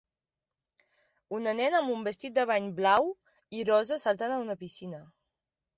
Una nena amb un vestit de banys blau i rosa saltant a una piscina.